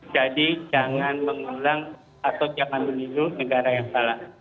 jadi jangan mengulang atau jangan meniru negara yang salah